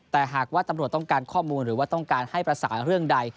แต่หากว่าตำรวจต้องการข้อมูลหรือว่าต้องการให้ประสานเรื่องใด